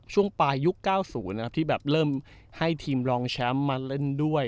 ช่วงปลายยุค๙๐นะครับที่แบบเริ่มให้ทีมรองแชมป์มาเล่นด้วย